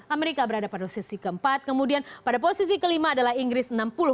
amerika berada pada posisi keempat kemudian pada posisi kelima adalah inggris enam puluh empat